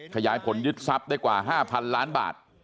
ขยายผลยึดทรัพย์ได้กว่า๕๐๐๐ล้านบาท